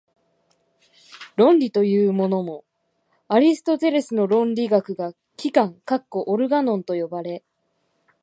論理というものも、アリストテレスの論理学が「機関」（オルガノン）と呼ばれ、